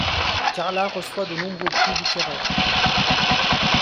Carla reçoit de nombreux prix littéraires.